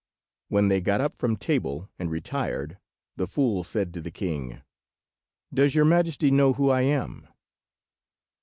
When they got up from table and retired, the fool said to the king— "Does your majesty know who I am?"